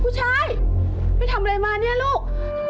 ผู้ชายไม่ทำอะไรมาเนี่ยลูก